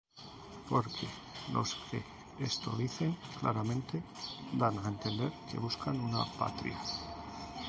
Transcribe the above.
Porque los que esto dicen, claramente dan á entender que buscan una patria.